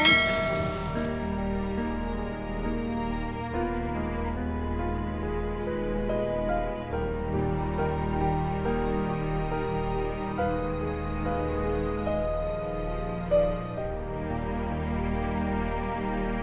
aku tau ini udah pertama malam